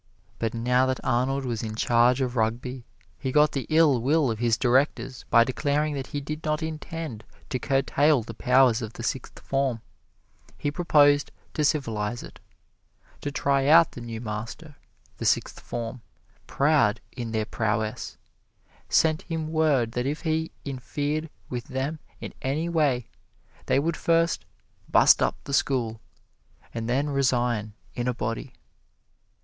But now that Arnold was in charge of Rugby, he got the ill will of his directors by declaring that he did not intend to curtail the powers of the Sixth Form he proposed to civilize it. To try out the new master, the Sixth Form, proud in their prowess, sent him word that if he interfered with them in any way, they would first "bust up the school," and then resign in a body.